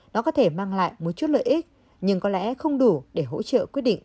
nó có thể mang lại một chút lợi ích nhưng có lẽ không đủ để hỗ trợ quyết định